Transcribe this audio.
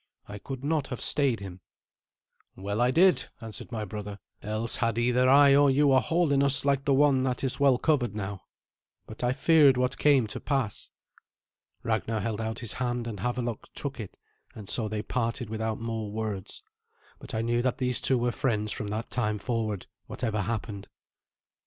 I could not have stayed him." "Well I did," answered my brother; "else had either I or you a hole in us like the one that is well covered now. But I feared what came to pass." Ragnar held out his hand, and Havelok took it, and so they parted without more words; but I knew that these two were friends from that time forward, whatever happened.